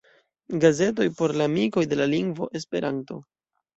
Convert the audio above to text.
Gazeto por la amikoj de la lingvo Esperanto.